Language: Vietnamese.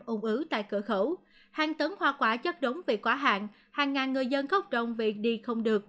ung ứ tại cửa khẩu hàng tấn hoa quả chất đống vì quá hạn hàng ngàn người dân khóc rộng vì đi không được